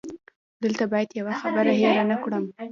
دلته باید یوه خبره هېره نه کړم.